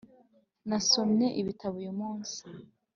Nasomye ibitbo uyu munsi